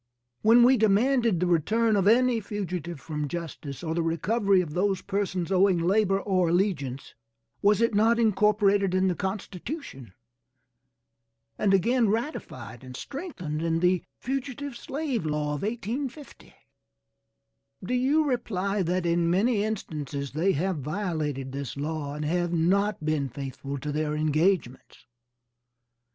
When we demanded the return of any fugitive from justice, or the recovery of those persons owing labor or allegiance, was it not incorporated in the Constitution, and again ratified and strengthened in the fugitive slave law of 1850? Do you reply that in many instances they have violated this law and have not been faithful to their engagements?